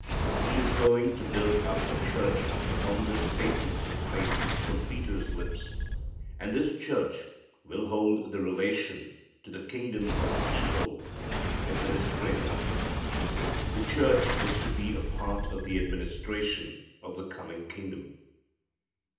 He is going to build up a church upon this statement of faith from Peter's lips, and this church will hold the relation to the kingdom of key holder, administrator. The church is to be a part of the administration of the coming kingdom.